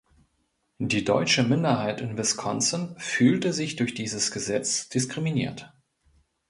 Die deutsche Minderheit in Wisconsin fühlte sich durch dieses Gesetz diskriminiert.